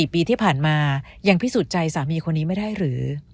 ๔ปีที่ผ่านมายังพิสูจน์ใจสามีคนนี้ไม่ได้หรือ